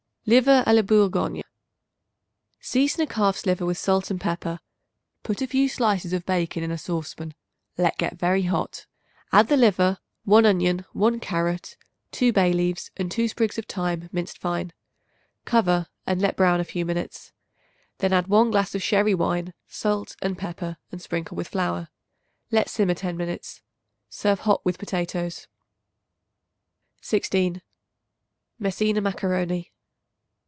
Liver a la Bourgogne. Season a calf's liver with salt and pepper; put a few slices of bacon in a saucepan; let get very hot. Add the liver, 1 onion, 1 carrot, 2 bay leaves and 2 sprigs of thyme minced fine; cover and let brown a few minutes. Then add 1 glass of sherry wine, salt and pepper and sprinkle with flour. Let simmer ten minutes. Serve hot with potatoes. 16. Messina Macaroni.